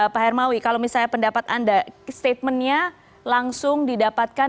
pak hermawi kalau misalnya pendapat anda statementnya langsung didapatkan